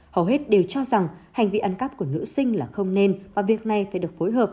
hầu hết đều cho rằng hành vi ăn cắp của nữ sinh là không nên và việc này phải được phối hợp